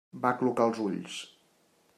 Va aclucar els ulls.